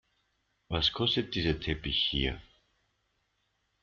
Was kostet dieser Teppich hier?